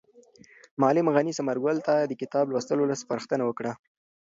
معلم غني ثمر ګل ته د کتاب لوستلو سپارښتنه وکړه.